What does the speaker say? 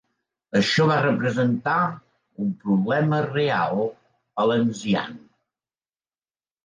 Això va representar un problema real a l'"Enzian".